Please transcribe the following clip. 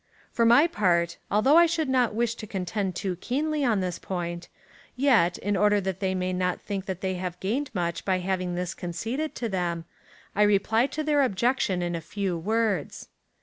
'' For my part, although I should not wish to contend too keenly on this point, yet, in order that they may not think that they have gained much by having this conceded to them, I reply to their objection in a few words.